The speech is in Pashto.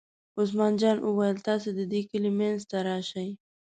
عثمان جان وویل: تاسې د دې کلي منځ ته شئ.